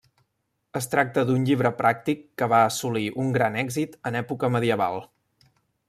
Es tracta d’un llibre pràctic que va assolir un gran èxit en època medieval.